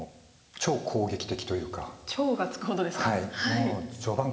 超が付くほどですか。